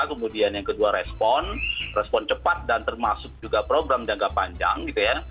kemudian yang kedua respon respon cepat dan termasuk juga program jangka panjang gitu ya